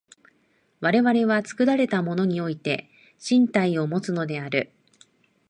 我々は作られたものにおいて身体をもつのである。